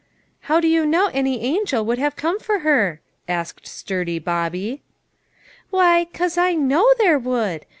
" How do you know any angel would have come for her ?" asked sturdy Bobby. " Why, 'cause I know there would.